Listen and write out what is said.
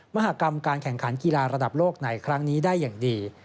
มหากรรมการแข่งขันกีฬาระดับโลกในครั้งนี้ได้อย่างดี